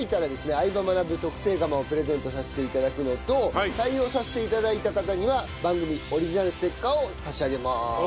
『相葉マナブ』特製釜をプレゼントさせて頂くのと採用させて頂いた方には番組オリジナルステッカーを差し上げます。